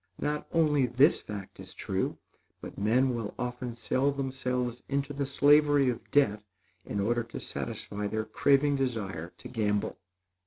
Not only this fact is true, but men will often sell themselves into the slavery of debt in order to satisfy their craving desire to gamble.